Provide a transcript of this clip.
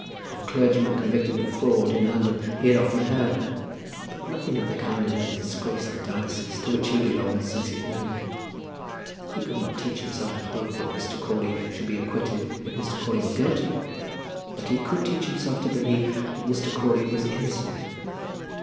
Of clergymen convicted of fraud in London he had often heard; but nothing of the kind had ever disgraced the diocese to which he belonged since he had known it. He could not teach himself to hope that Mr. Crawley should be acquitted if Mr. Crawley were guilty; but he could teach himself to believe that Mr. Crawley was innocent.